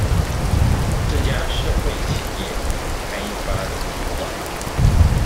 這家社會企業開發的計畫